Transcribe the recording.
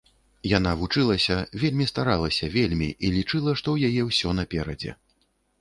Яна вучылася, вельмі старалася, вельмі, і лічыла, што ў яе ўсё наперадзе.